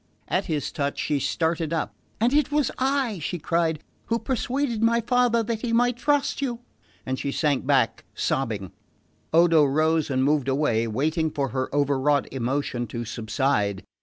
At his touch she started up. "And it was I," she cried, "who persuaded my father that he might trust you!" And she sank back sobbing. Odo rose and moved away, waiting for her overwrought emotion to subside.